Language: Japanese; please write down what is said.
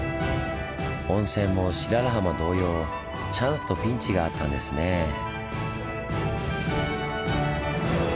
温泉も白良浜同様チャンスとピンチがあったんですねぇ。